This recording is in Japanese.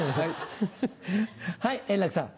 はい円楽さん。